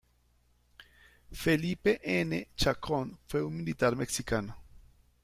Felipe N. Chacón fue un militar mexicano.